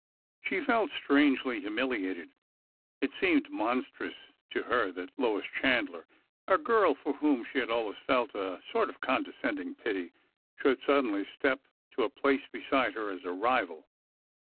She felt strangely humiliated. It seemed monstrous to her that Lois Chandler— a girl for whom she had always felt a sort of condescending pity— should suddenly step to a place beside her as a rival